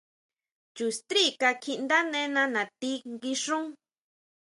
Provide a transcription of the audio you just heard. Chu strí kakjiʼndánena natí nguixún.